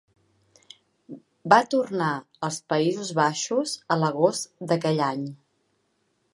Va tornar als Països Baixos a l'agost d'aquell any.